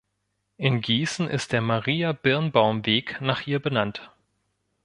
In Gießen ist der Maria-Birnbaum-Weg nach ihr benannt.